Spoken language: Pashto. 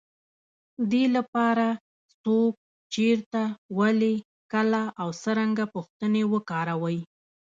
دې لپاره، څوک، چېرته، ولې، کله او څرنګه پوښتنې وکاروئ.